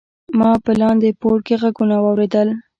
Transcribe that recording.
ما په لاندې پوړ کې غږونه واوریدل.